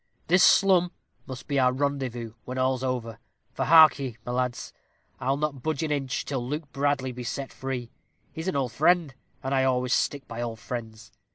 This slum must be our rendezvous when all's over; for hark ye, my lads, I'll not budge an inch till Luke Bradley be set free. He's an old friend, and I always stick by old friends.